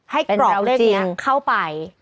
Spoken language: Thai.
กรอกเลขนี้เข้าไป